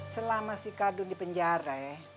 selama si kadu di penjara